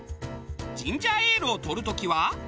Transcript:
ジンジャーエールを撮る時は。